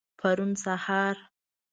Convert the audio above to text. پرون سهار.